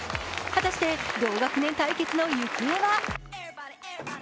果たして同学年対決の行方は。